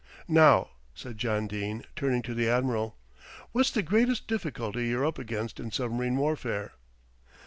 "Now," said John Dene, turning to the Admiral, "what's the greatest difficulty you're up against in submarine warfare?"